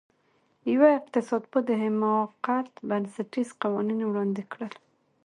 یوه اقتصادپوه د حماقت بنسټیز قوانین وړاندې کړل.